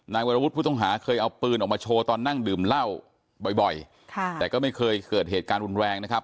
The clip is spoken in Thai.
วรวุฒิผู้ต้องหาเคยเอาปืนออกมาโชว์ตอนนั่งดื่มเหล้าบ่อยค่ะแต่ก็ไม่เคยเกิดเหตุการณ์รุนแรงนะครับ